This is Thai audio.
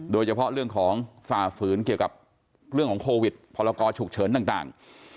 โดยเฉพาะเรื่องของฝ่าฝืนเกี่ยวกับเรื่องของโควิดพรกรฉุกเฉินต่าง